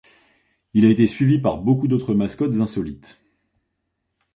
Il a été suivi par beaucoup d'autres mascottes insolites.